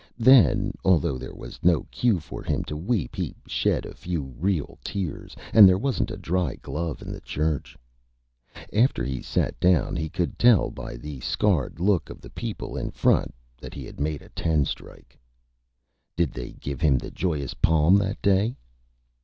Then, although there was no Cue for him to Weep, he shed a few real Tears. And there wasn't a dry Glove in the Church. After he sat down he could tell by the Scared Look of the People in Front that he had made a Ten Strike. Did they give him the Joyous Palm that Day?